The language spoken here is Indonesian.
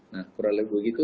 nah kurang lebih begitu